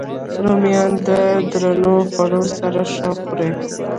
رومیان د درنو خوړو سره ښه خوري